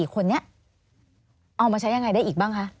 ๔คนนี้เอามาใช้ยังไงได้อีกบ้างคะ